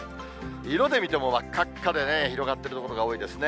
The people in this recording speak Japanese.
色で見ても真っ赤っかで広がっている所が多いですね。